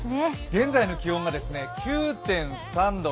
現在の気温が９．３度。